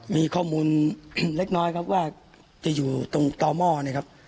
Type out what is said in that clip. มีข้อมูลเล็กน้อยครับว่าจะอยู่ตรงต่อหม้อเนี่ยครับ